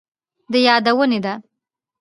د يادونې ده،